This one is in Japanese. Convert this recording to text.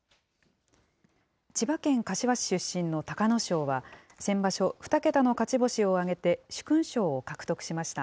千葉県柏市出身の隆の勝は、先場所、２桁の勝ち星を挙げて、殊勲賞を獲得しました。